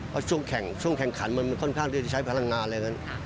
เพราะช่วงแข่งขันมันค่อนข้างที่จะใช้พลังงานอะไรนั้น